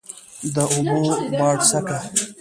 د اوبو باډسکه،